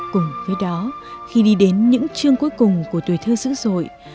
cùng với đó khi đi đến những chương cuối cùng của tuổi thơ dữ dội